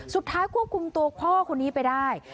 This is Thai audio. สุดท้ายควบคุมตัวพ่อคนนี้ไปได้